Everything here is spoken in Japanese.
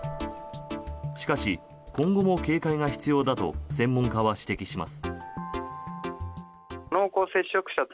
しかし、今後も警戒が必要だと専門家は指摘します。